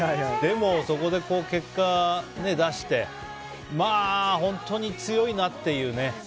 でも、そこで結果を出してまあ、本当に強いなっていうね。